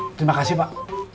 terima kasih pak